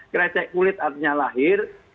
krecek kulit artinya lahir